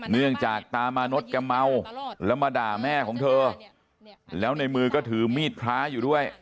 เนื่องจากตามานดแกเมาแล้วมาด่าแม่ของเธอแล้วในมือก็ถือมีดพระอยู่ด้วย